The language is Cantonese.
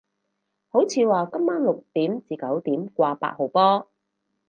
好似話今晚六點至九點掛八號波